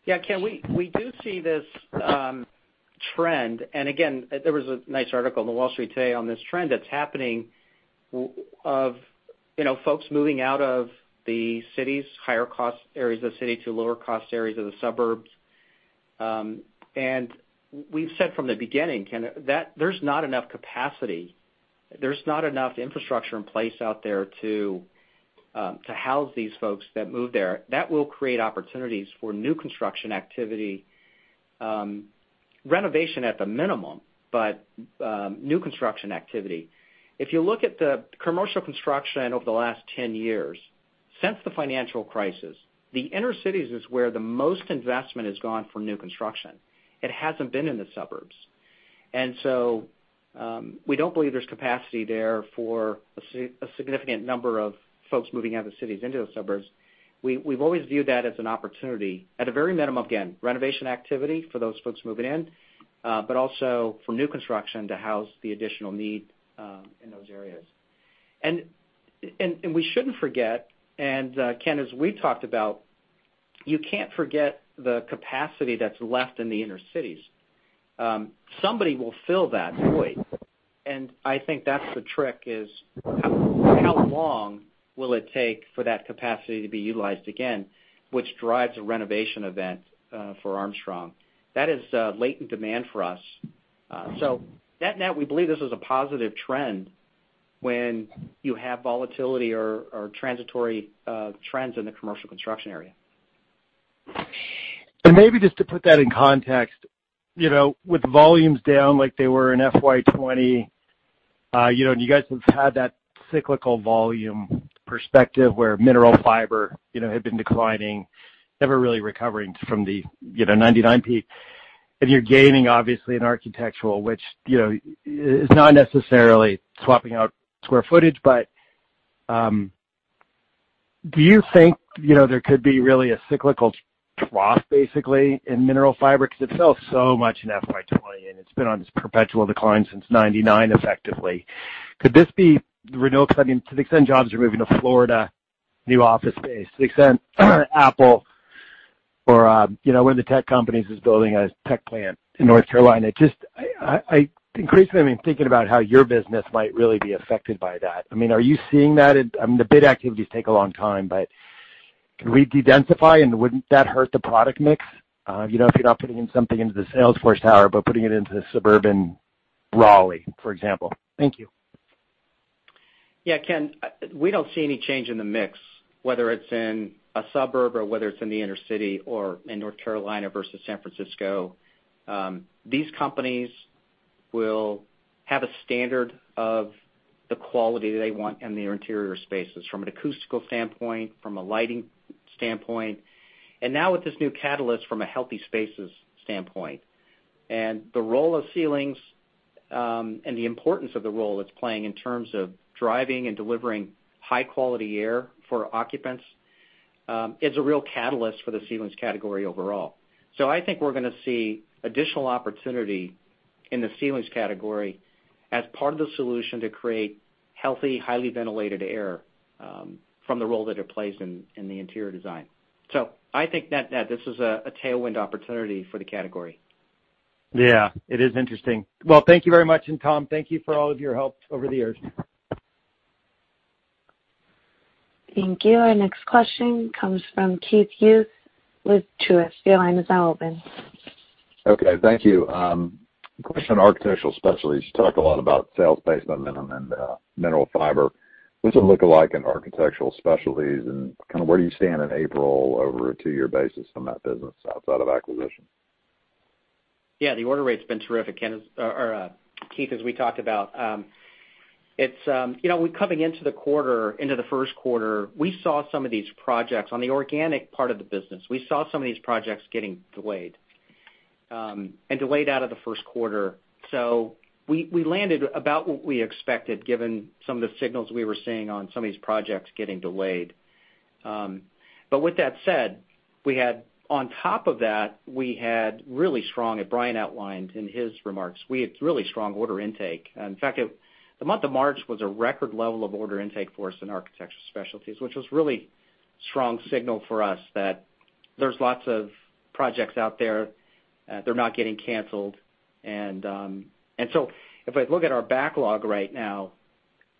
S3: Yeah, Ken, we do see this trend. Again, there was a nice article in The Wall Street Journal on this trend that's happening of folks moving out of the cities, higher cost areas of the city to lower cost areas of the suburbs. We've said from the beginning, Ken, there's not enough capacity. There's not enough infrastructure in place out there to house these folks that move there. That will create opportunities for new construction activity, renovation at the minimum, but new construction activity. If you look at the commercial construction over the last 10 years, since the financial crisis, the inner cities is where the most investment has gone for new construction. It hasn't been in the suburbs. We don't believe there's capacity there for a significant number of folks moving out of the cities into the suburbs. We've always viewed that as an opportunity, at a very minimum, again, renovation activity for those folks moving in, but also for new construction to house the additional need in those areas. We shouldn't forget, and Ken, as we've talked about, you can't forget the capacity that's left in the inner cities. Somebody will fill that void, and I think that's the trick is, how long will it take for that capacity to be utilized again, which drives a renovation event for Armstrong. That is latent demand for us. Net-net, we believe this is a positive trend when you have volatility or transitory trends in the commercial construction area.
S8: Maybe just to put that in context, with volumes down like they were in FY 2020, you guys have had that cyclical volume perspective where Mineral Fiber had been declining, never really recovering from the 1999 peak. You're gaining, obviously, in Architectural, which is not necessarily swapping out square footage, but do you think there could be really a cyclical trough, basically, in Mineral Fiber? Because it fell so much in FY 2020, and it's been on this perpetual decline since 1999, effectively. Could this be renewable, because to the extent jobs are moving to Florida, new office space, to the extent Apple or one of the tech companies is building a tech plant in North Carolina? Increasingly, I'm thinking about how your business might really be affected by that. Are you seeing that? The bid activities take a long time, but could we de-densify, and wouldn't that hurt the product mix? If you're not putting in something into the Salesforce Tower, but putting it into suburban Raleigh, for example. Thank you.
S3: Yeah, Ken, we don't see any change in the mix, whether it's in a suburb or whether it's in the inner city or in North Carolina versus San Francisco. These companies will have a standard of the quality they want in their interior spaces, from an acoustical standpoint, from a lighting standpoint. Now with this new catalyst from a Healthy Spaces standpoint. The role of ceilings, and the importance of the role it's playing in terms of driving and delivering high-quality air for occupants, is a real catalyst for the ceilings category overall. I think we're going to see additional opportunity in the ceilings category as part of the solution to create healthy, highly ventilated air from the role that it plays in the interior design. I think net-net, this is a tailwind opportunity for the category.
S8: Yeah, it is interesting. Well, thank you very much and Tom, thank you for all of your help over the years.
S1: Thank you. Our next question comes from Keith Hughes with Truist. Your line is now open.
S9: Okay. Thank you. A question on Architectural Specialties. You talked a lot about sales momentum and Mineral Fiber. What does it look like in Architectural Specialties, and where do you stand in April over a two-year basis in that business outside of acquisition?
S3: The order rate's been terrific, Keith, as we talked about. Coming into the first quarter, we saw some of these projects on the organic part of the business. We saw some of these projects getting delayed, and delayed out of the first quarter. We landed about what we expected given some of the signals we were seeing on some of these projects getting delayed. With that said, on top of that, as Brian MacNeal outlined in his remarks, we had really strong order intake. In fact, the month of March was a record level of order intake for us in Architectural Specialties, which was a really strong signal for us that there's lots of projects out there. They're not getting canceled. If I look at our backlog right now,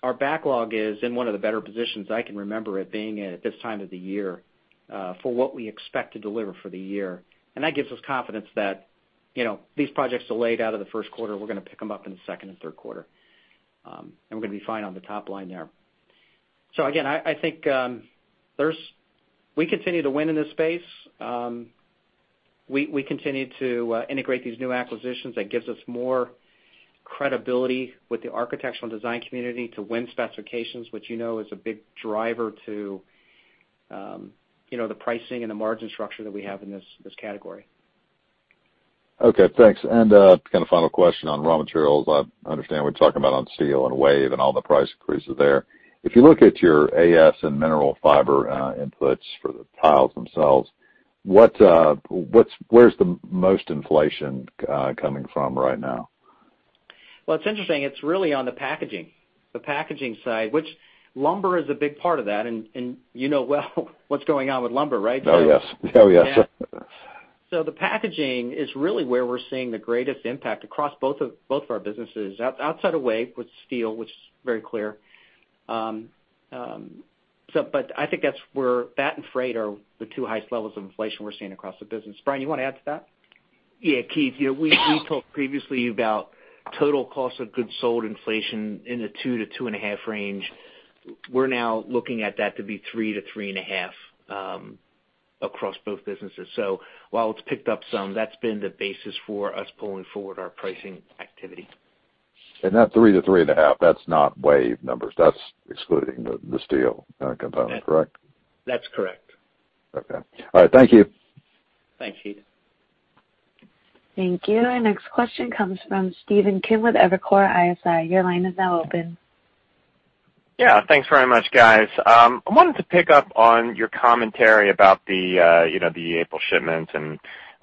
S3: our backlog is in one of the better positions I can remember it being at this time of the year for what we expect to deliver for the year. That gives us confidence that these projects delayed out of the first quarter, we're going to pick them up in the second and third quarter. We're going to be fine on the top line there. Again, I think I continue to win in this space. We continue to integrate these new acquisitions that gives us more credibility with the architectural design community to win specifications, which you know is a big driver to the pricing and the margin structure that we have in this category.
S9: Okay, thanks. Kind of final question on raw materials. I understand we're talking about on steel and wire and all the price increases there. If you look at your AS and Mineral Fiber inputs for the tiles themselves, where's the most inflation coming from right now?
S3: Well, it's interesting. It's really on the packaging side, which lumber is a big part of that, and you know well what's going on with lumber, right?
S9: Oh, yes.
S3: The packaging is really where we're seeing the greatest impact across both of our businesses. Outside of wave with steel, which is very clear. I think that and freight are the two highest levels of inflation we're seeing across the business. Brian, you want to add to that?
S4: Keith, we talked previously about total cost of goods sold inflation in the 2%-2.5% range. We're now looking at that to be 3%-3.5% across both businesses. While it's picked up some, that's been the basis for us pulling forward our pricing activity.
S9: That three to three and a half, that's not wave numbers. That's excluding the steel component, correct?
S4: That's correct.
S9: Okay. All right. Thank you.
S4: Thanks, Keith.
S1: Thank you. Our next question comes from Stephen Kim with Evercore ISI.
S10: Thanks very much, guys. I wanted to pick up on your commentary about the April shipment.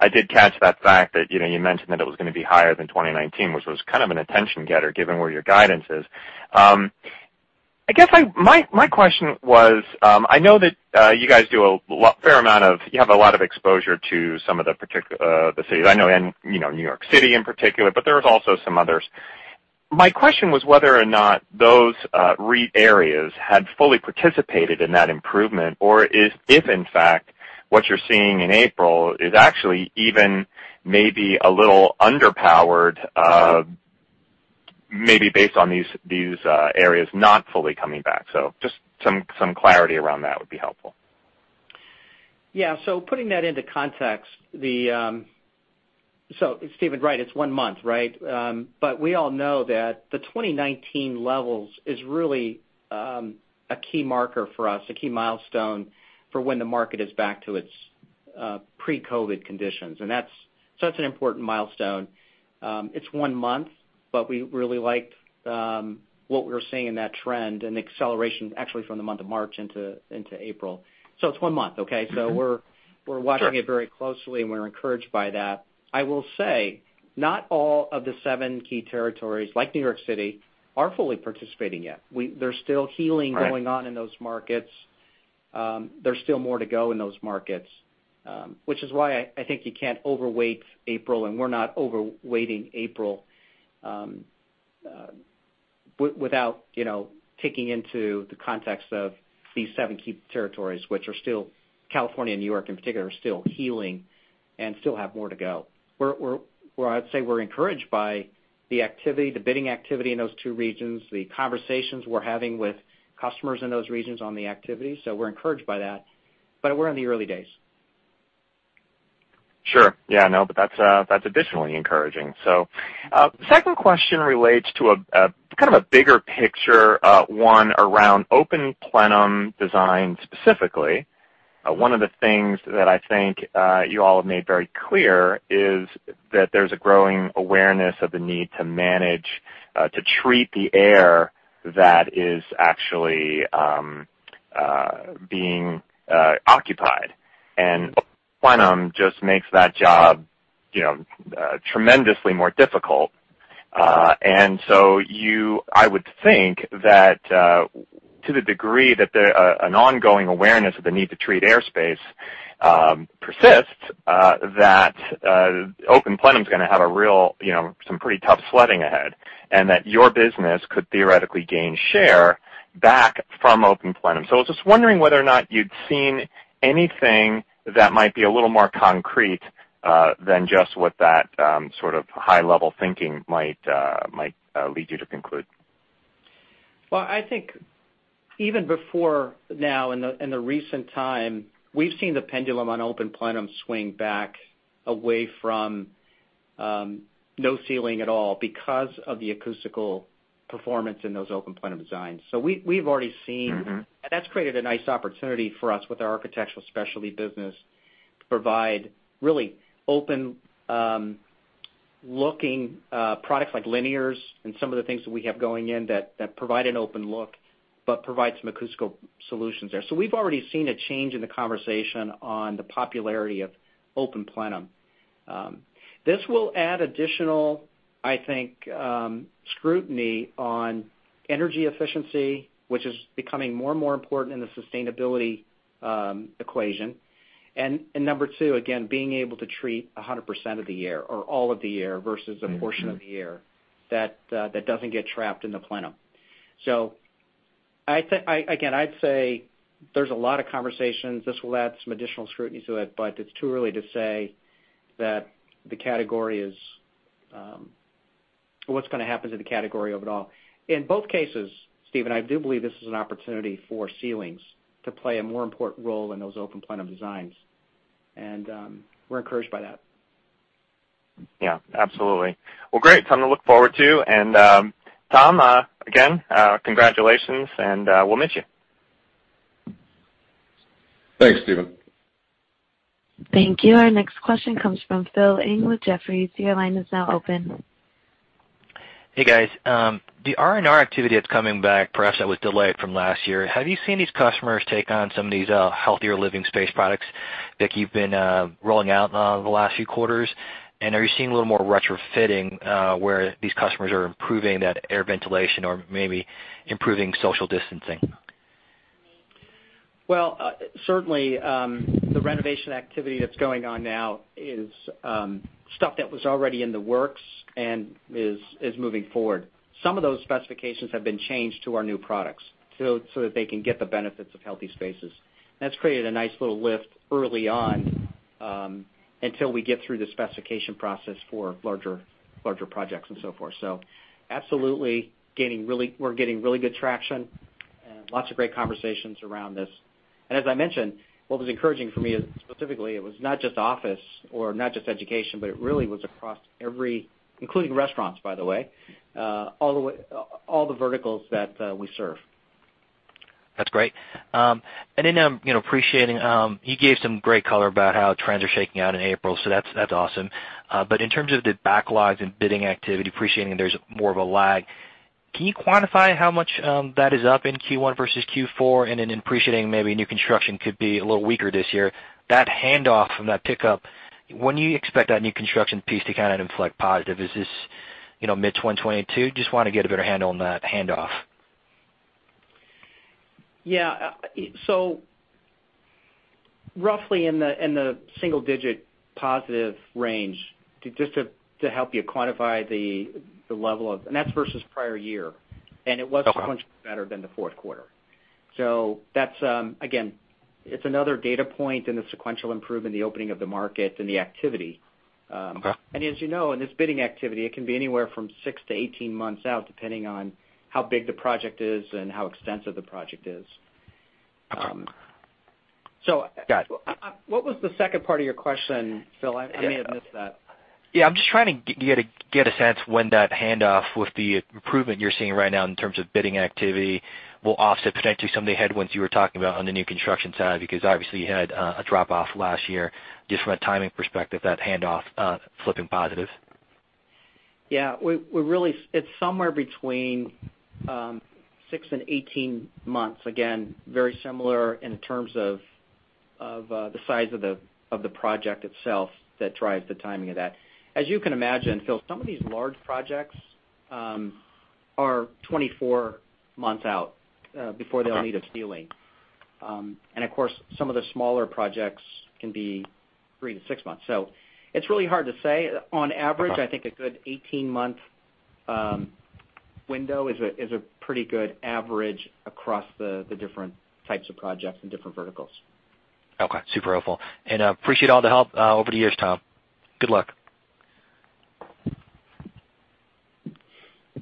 S10: I did catch that fact that you mentioned that it was going to be higher than 2019, which was kind of an attention getter, given where your guidance is. I guess my question was, I know that you guys do a fair amount of, you have a lot of exposure to some of the cities. I know New York City in particular, but there's also some others. My question was whether or not those REIT areas had fully participated in that improvement, or if in fact, what you're seeing in April is actually even maybe a little underpowered maybe based on these areas not fully coming back. Just some clarity around that would be helpful.
S3: Yeah. Putting that into context, Stephen, right, it's one month, right? We all know that the 2019 levels is really a key marker for us, a key milestone for when the market is back to its pre-COVID conditions. That's an important milestone. It's one month, but we really liked what we were seeing in that trend and acceleration actually from the month of March into April. It's one month, okay?
S10: Mm-hmm. Sure.
S3: We're watching it very closely, and we're encouraged by that. I will say, not all of the seven key territories like New York City are fully participating yet. There's still healing-
S10: Right
S3: Going on in those markets. There's still more to go in those markets, which is why I think you can't overweight April, and we're not overweighting April, without taking into the context of these seven key territories, which are still California and New York in particular, are still healing and still have more to go. Where I'd say we're encouraged by the activity, the bidding activity in those two regions, the conversations we're having with customers in those regions on the activity. We're encouraged by that. We're in the early days.
S10: Sure. Yeah. That's additionally encouraging. The second question relates to kind of a bigger picture, one around open plenum design specifically. One of the things that I think you all have made very clear is that there's a growing awareness of the need to manage, to treat the air that is actually being occupied. Plenum just makes that job tremendously more difficult. I would think that to the degree that an ongoing awareness of the need to treat airspace persists, that open plenum's going to have some pretty tough sledding ahead, and that your business could theoretically gain share back from open plenum. I was just wondering whether or not you'd seen anything that might be a little more concrete than just what that sort of high level thinking might lead you to conclude.
S3: Well, I think even before now in the recent time, we've seen the pendulum on open plenum swing back away from no ceiling at all because of the acoustical performance in those open plenum designs. We've already seen. That's created a nice opportunity for us with our Architectural Specialties business to provide really open looking products like linears and some of the things that we have going in that provide an open look, but provide some acoustical solutions there. We've already seen a change in the conversation on the popularity of open plenum. This will add additional, I think, scrutiny on energy efficiency, which is becoming more and more important in the sustainability equation. Number two, again, being able to treat 100% of the air or all of the air versus a portion of the air that doesn't get trapped in the plenum. Again, I'd say there's a lot of conversations. This will add some additional scrutiny to it's too early to say what's going to happen to the category of it all. In both cases, Stephen, I do believe this is an opportunity for ceilings to play a more important role in those open plenum designs, and we're encouraged by that.
S10: Yeah, absolutely. Well, great. Something to look forward to. Tom, again, congratulations, and we'll miss you.
S2: Thanks, Stephen.
S1: Thank you. Our next question comes from Phil Ng with Jefferies. Your line is now open.
S11: Hey, guys. The R&R activity that's coming back, perhaps that was delayed from last year, have you seen these customers take on some of these Healthy Spaces products that you've been rolling out the last few quarters? Are you seeing a little more retrofitting, where these customers are improving that air ventilation or maybe improving social distancing?
S3: Well, certainly, the renovation activity that's going on now is stuff that was already in the works and is moving forward. Some of those specifications have been changed to our new products, so that they can get the benefits of Healthy Spaces. That's created a nice little lift early on, until we get through the specification process for larger projects and so forth. Absolutely, we're getting really good traction and lots of great conversations around this. As I mentioned, what was encouraging for me is specifically, it was not just office or not just education, but it really was across every, including restaurants, by the way, all the verticals that we serve.
S11: That's great. Appreciating, you gave some great color about how trends are shaking out in April, so that's awesome. In terms of the backlogs and bidding activity, appreciating there's more of a lag, can you quantify how much that is up in Q1 versus Q4? Appreciating maybe new construction could be a little weaker this year, that handoff from that pickup, when you expect that new construction piece to kind of inflect positive. Is this mid-2022? Just want to get a better handle on that handoff.
S3: Roughly in the single-digit positive range, just to help you quantify, and that's versus prior year.
S11: Okay.
S3: It was sequential better than the fourth quarter. That's, again, it's another data point in the sequential improvement, the opening of the market and the activity.
S11: Okay.
S3: As you know, in this bidding activity, it can be anywhere from six to 18 months out, depending on how big the project is and how extensive the project is.
S11: Got it.
S3: What was the second part of your question, Phil? I may have missed that.
S11: I'm just trying to get a sense when that handoff with the improvement you're seeing right now in terms of bidding activity will offset potentially some of the headwinds you were talking about on the new construction side, because obviously you had a drop-off last year, just from a timing perspective, that handoff flipping positive?
S3: Yeah, it's somewhere between six and 18 months. Again, very similar in terms of the size of the project itself that drives the timing of that. As you can imagine, Phil, some of these large projects are 24 months out before they'll need a ceiling. Of course, some of the smaller projects can be three-six months. It's really hard to say. On average, I think a good 18-month window is a pretty good average across the different types of projects and different verticals.
S11: Okay, super helpful. Appreciate all the help over the years, Tom. Good luck.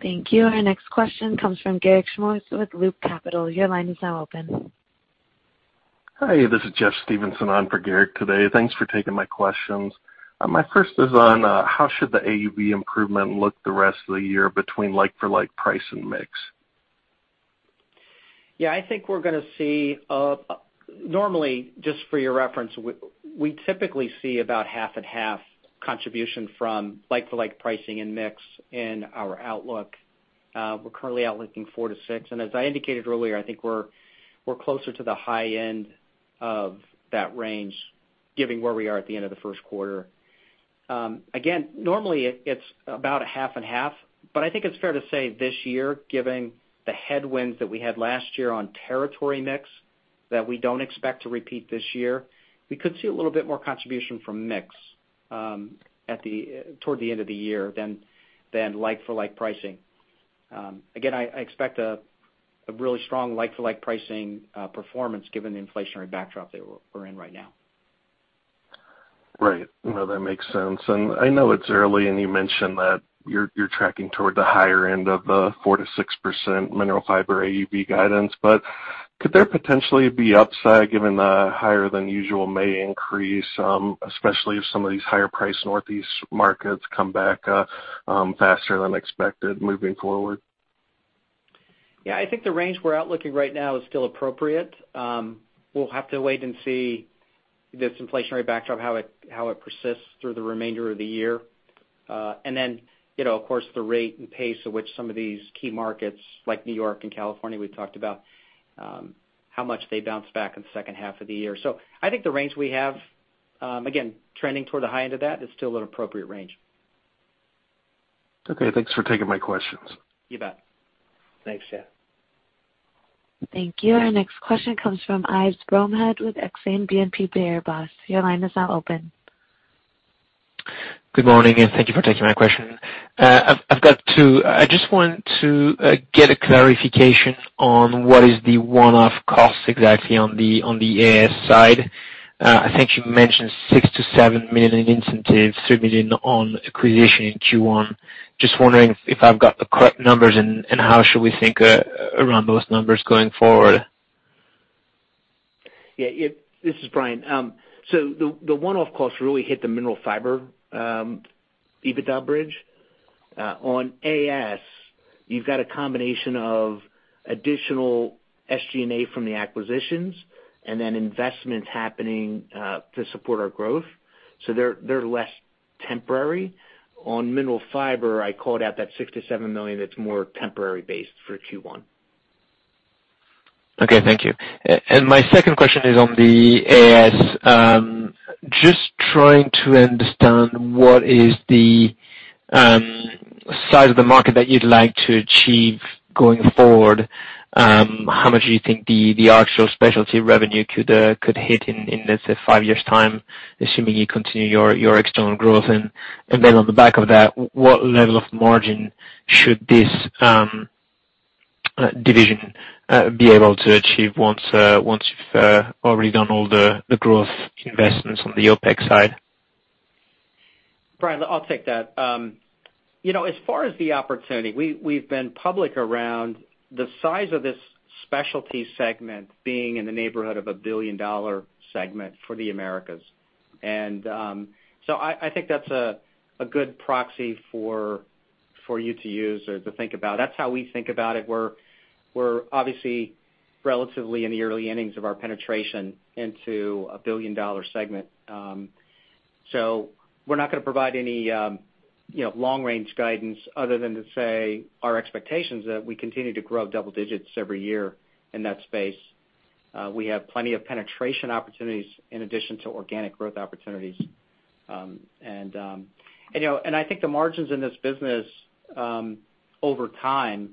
S1: Thank you. Our next question comes from Garik Shmois with Loop Capital. Your line is now open.
S12: Hi, this is Jeff Stevenson on for Garik today. Thanks for taking my questions. My first is on how should the AUV improvement look the rest of the year between like-for-like price and mix?
S3: Normally, just for your reference, we typically see about half-and-half contribution from like-for-like pricing and mix in our outlook. We're currently out linking 4%-6%. As I indicated earlier, I think we're closer to the high end of that range, given where we are at the end of the first quarter. Again, normally, it's about a half and half. I think it's fair to say this year, given the headwinds that we had last year on territory mix that we don't expect to repeat this year, we could see a little bit more contribution from mix toward the end of the year than like-for-like pricing. Again, I expect a really strong like-for-like pricing performance given the inflationary backdrop that we're in right now.
S12: Right. No, that makes sense. I know it's early, and you mentioned that you're tracking toward the higher end of the 4%-6% Mineral Fiber AUV guidance, but could there potentially be upside given the higher than usual May increase, especially if some of these higher priced Northeast markets come back faster than expected moving forward?
S3: Yeah, I think the range we're out looking right now is still appropriate. We'll have to wait and see this inflationary backdrop, how it persists through the remainder of the year. Then, of course, the rate and pace at which some of these key markets, like New York and California, we've talked about, how much they bounce back in the second half of the year. I think the range we have, again, trending toward the high end of that is still an appropriate range.
S12: Okay. Thanks for taking my questions.
S3: You bet.
S4: Thanks. Yeah.
S1: Thank you. Our next question comes from Yves Bromehead with Exane BNP Paribas. Your line is now open.
S13: Good morning, and thank you for taking my question. I've got two. I just want to get a clarification on what is the one-off cost exactly on the AS side. I think you mentioned $6 million-$7 million in incentives, $3 million on acquisition in Q1. Just wondering if I've got the correct numbers, and how should we think around those numbers going forward?
S4: Yeah. This is Brian. The one-off costs really hit the Mineral Fiber EBITDA bridge. On AS, you've got a combination of additional SG&A from the acquisitions and then investments happening to support our growth, they're less temporary. On Mineral Fiber, I called out that $6 million-$7 million that's more temporary based for Q1.
S13: Okay, thank you. My second question is on the AS. Just trying to understand what is the size of the market that you'd like to achieve going forward. How much do you think the Architectural Specialty revenue could hit in, let's say, five years' time, assuming you continue your external growth? Then on the back of that, what level of margin should this division be able to achieve once you've already done all the growth investments on the OpEx side?
S3: Brian, I'll take that. As far as the opportunity, we've been public around the size of this specialty segment being in the neighborhood of a billion-dollar segment for the Americas. I think that's a good proxy for you to use or to think about. That's how we think about it. We're obviously relatively in the early innings of our penetration into a billion-dollar segment. We're not going to provide any long-range guidance other than to say our expectation's that we continue to grow double digits every year in that space. We have plenty of penetration opportunities in addition to organic growth opportunities. I think the margins in this business over time,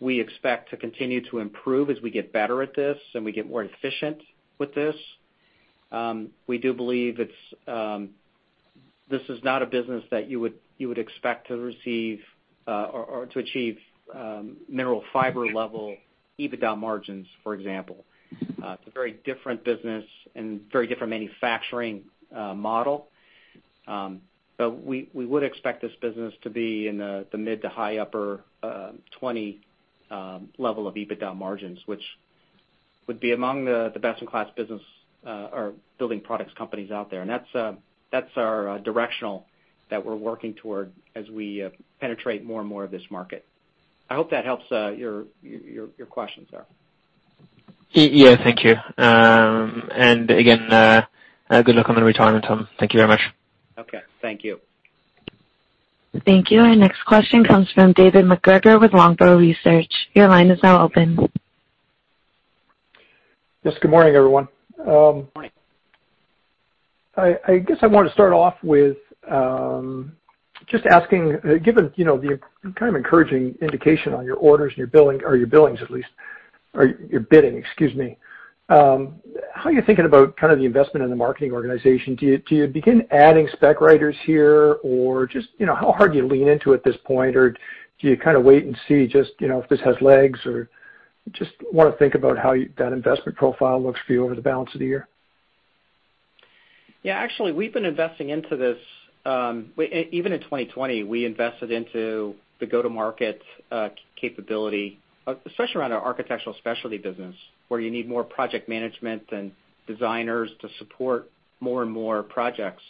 S3: we expect to continue to improve as we get better at this and we get more efficient with this. We do believe this is not a business that you would expect to receive or to achieve Mineral Fiber level EBITDA margins, for example. It's a very different business and very different manufacturing model. We would expect this business to be in the mid-to-high 20% level of EBITDA margins, which would be among the best-in-class business or building products companies out there. That's our directional that we're working toward as we penetrate more and more of this market. I hope that helps your question, sir.
S13: Yeah, thank you. Again, good luck on the retirement, Tom. Thank you very much.
S3: Okay. Thank you.
S1: Thank you. Our next question comes from David MacGregor with Longbow Research.
S14: Yes, good morning, everyone.
S3: Morning.
S14: I guess I want to start off with just asking, given the kind of encouraging indication on your orders and your billing, or your billings at least, or your bidding, excuse me, how are you thinking about the investment in the marketing organization? Do you begin adding spec writers here, or just how hard do you lean into at this point, or do you kind of wait and see just if this has legs? Just want to think about how that investment profile looks for you over the balance of the year.
S3: Actually, we've been investing into this. Even in 2020, we invested into the go-to-market capability, especially around our Architectural Specialties business, where you need more project management and designers to support more and more projects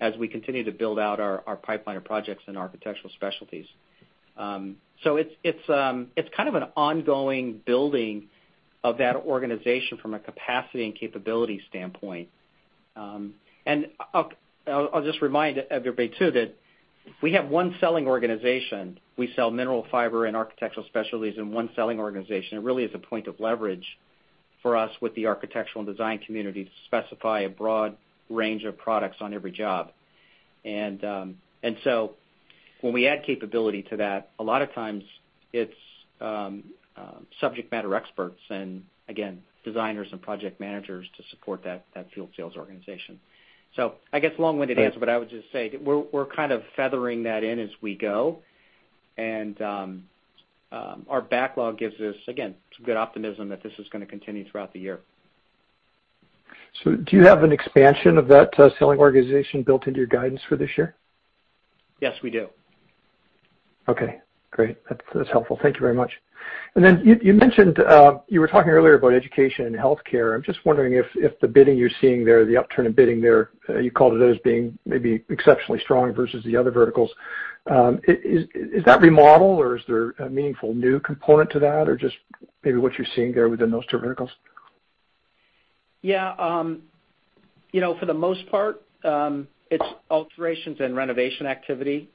S3: as we continue to build out our pipeline of projects and Architectural Specialties. It's kind of an ongoing building of that organization from a capacity and capability standpoint. I'll just remind everybody, too, that we have one selling organization. We sell Mineral Fiber and Architectural Specialties in one selling organization. It really is a point of leverage for us with the architectural and design community to specify a broad range of products on every job. When we add capability to that, a lot of times it's subject matter experts and again, designers and project managers to support that field sales organization. I guess long-winded answer, but I would just say we're kind of feathering that in as we go. Our backlog gives us, again, some good optimism that this is going to continue throughout the year.
S14: Do you have an expansion of that selling organization built into your guidance for this year?
S3: Yes, we do.
S14: Okay, great. That's helpful. Thank you very much. You mentioned, you were talking earlier about education and healthcare. I'm just wondering if the bidding you're seeing there, the upturn in bidding there, you called it as being maybe exceptionally strong versus the other verticals. Is that remodel or is there a meaningful new component to that, or just maybe what you're seeing there within those two verticals?
S3: Yeah. For the most part, it's alterations and renovation activity.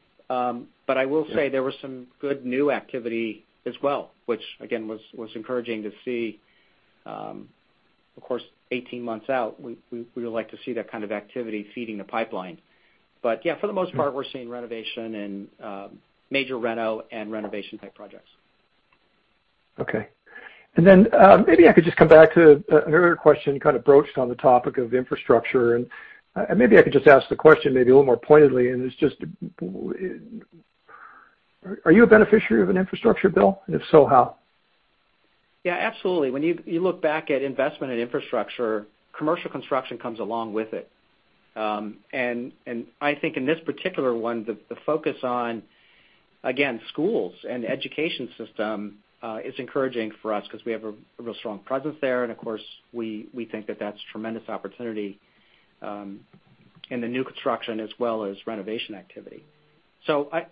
S3: I will say there was some good new activity as well, which again, was encouraging to see. Of course, 18 months out, we would like to see that kind of activity feeding the pipeline. Yeah, for the most part, we're seeing renovation and major reno and renovation-type projects.
S14: Okay. Maybe I could just come back to an earlier question you kind of broached on the topic of infrastructure, and maybe I could just ask the question maybe a little more pointedly, and it's just, are you a beneficiary of an infrastructure bill? If so, how?
S3: Yeah, absolutely. When you look back at investment in infrastructure, commercial construction comes along with it. I think in this particular one, the focus on, again, schools and education system, is encouraging for us because we have a real strong presence there. Of course, we think that that's tremendous opportunity, in the new construction as well as renovation activity.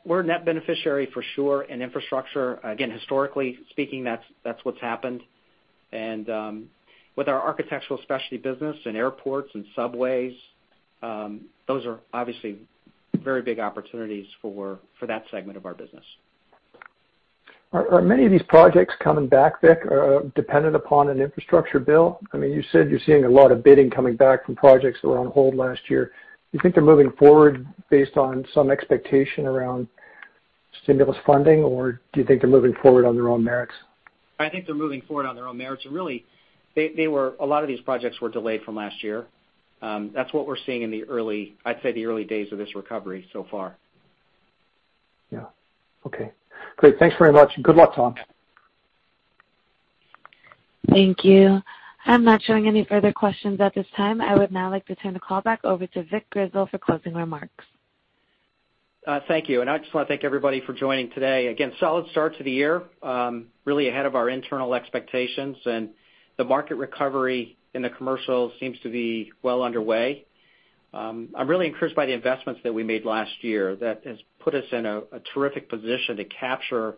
S3: We're a net beneficiary for sure in infrastructure. Again, historically speaking, that's what's happened. With our Architectural Specialties business and airports and subways, those are obviously very big opportunities for that segment of our business.
S14: Are many of these projects coming back, Vic, dependent upon an infrastructure bill? You said you're seeing a lot of bidding coming back from projects that were on hold last year. Do you think they're moving forward based on some expectation around stimulus funding, or do you think they're moving forward on their own merits?
S3: I think they're moving forward on their own merits, and really, a lot of these projects were delayed from last year. That's what we're seeing in the early, I'd say, the early days of this recovery so far.
S14: Yeah. Okay. Great. Thanks very much. Good luck, Tom.
S1: Thank you. I'm not showing any further questions at this time. I would now like to turn the call back over to Vic Grizzle for closing remarks.
S3: Thank you. I just want to thank everybody for joining today. Solid start to the year, really ahead of our internal expectations, and the market recovery in the commercial seems to be well underway. I'm really encouraged by the investments that we made last year that has put us in a terrific position to capture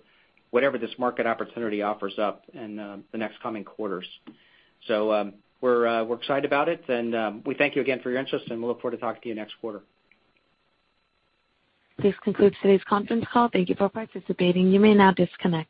S3: whatever this market opportunity offers up in the next coming quarters. We're excited about it and we thank you again for your interest and we look forward to talking to you next quarter.
S1: This concludes today's conference call. Thank you for participating. You may now disconnect.